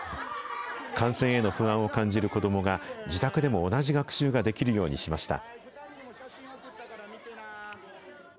感染への不安を感じる子どもが、自宅でも同じ学習ができるようにしました。